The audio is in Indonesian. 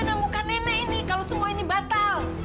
mana muka nenek ini kalau semua ini batal